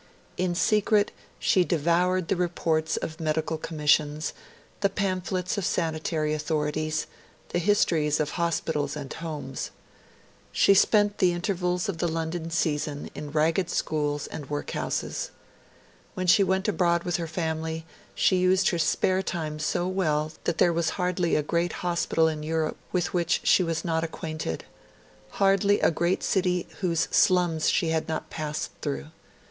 In secret she devoured the reports of medical commissions, the pamphlets of sanitary authorities, the histories of hospitals and homes. She spent the intervals of the London season in ragged schools and workhouses. When she went abroad with her family, she used her spare time so well that there was hardly a great hospital in Europe with which she was not acquainted; hardly a great city whose slums she had not passed through.